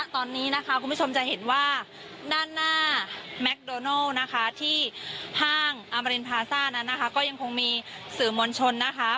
ที่ห้างอามารินพาซ่านั้นนะคะก็ยังคงมีสื่อมวลชนนะคะ